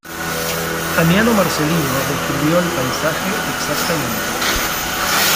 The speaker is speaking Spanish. Amiano Marcelino describió el paisaje exactamente.